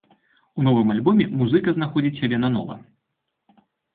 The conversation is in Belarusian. У новым альбоме музыка знаходзіць сябе нанова.